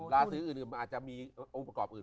ลาซื้ออื่นอ่ะมันอาจจะมีองค์ประกอบอื่น